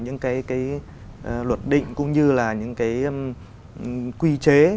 những cái luật định cũng như là những cái quy chế